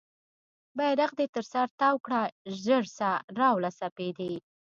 بیرغ دې تر سر تاو کړه ژر شه راوله سپیدې